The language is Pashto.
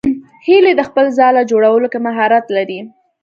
هیلۍ د خپل ځاله جوړولو کې مهارت لري